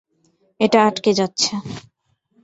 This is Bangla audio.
এটা আঁটকে যাচ্ছে।